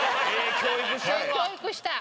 教育した！